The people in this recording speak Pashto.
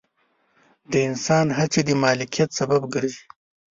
د انسان هڅې د مالکیت سبب ګرځي.